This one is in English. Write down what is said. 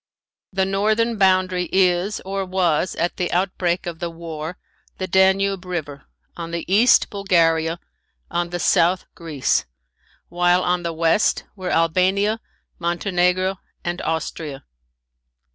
The northern boundary is, or was at the outbreak of the war, the Danube river, on the east Bulgaria, on the south Greece, while on the west were Albania, Montenegro and Austria.